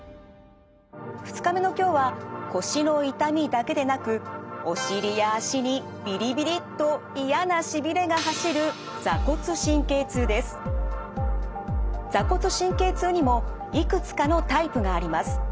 ２日目の今日は腰の痛みだけでなくお尻や脚にビリビリッと嫌なしびれが走る坐骨神経痛にもいくつかのタイプがあります。